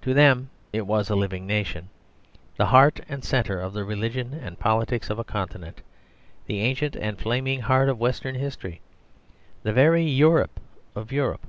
To them it was a living nation, the type and centre of the religion and politics of a continent; the ancient and flaming heart of Western history, the very Europe of Europe.